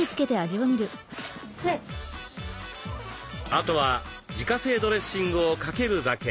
あとは自家製ドレッシングをかけるだけ。